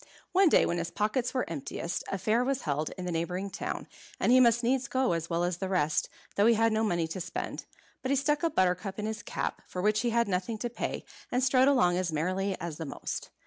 One day, when his pockets were emptiest, a fair was held in the neighbouring town, and he must needs go as well as the rest, though he had no money to spend. But he stuck a buttercup in his cap, for which he had nothing to pay, and strode along as merrily as the most.